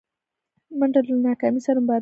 منډه له ناکامۍ سره مبارزه ده